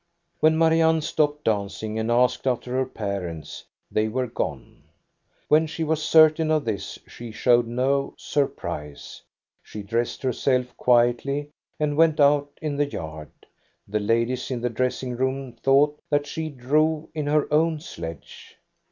When Marianne stopped dancing and asked after her parents, they were gone. When she was certain of this she showed no sur prise. She dressed herself quietly and went out in the yard. The ladies in the dressing room thought that she drove in her own sledge.